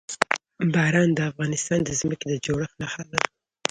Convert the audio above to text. باران د افغانستان د ځمکې د جوړښت نښه ده.